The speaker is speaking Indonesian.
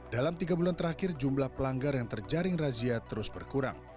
dalam tiga bulan terakhir jumlah pelanggar yang terjaring razia terus berkurang